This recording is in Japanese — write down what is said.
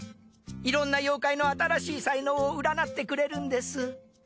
いろんな妖怪の新しい才能を占ってくれるんです。